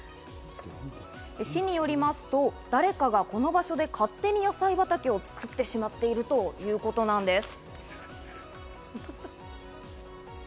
市によりますと、誰かがこの場所で勝手に野菜畑を作ってしまっているということなんです。